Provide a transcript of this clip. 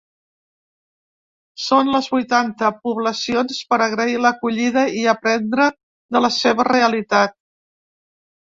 Són les vuitanta poblacions per agrair l’acollida i aprendre de la seva realitat.